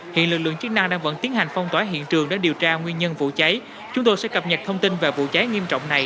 hiện lực lượng chức năng đang vẫn tiến hành phong tỏa hiện trường để điều tra nguyên nhân vụ cháy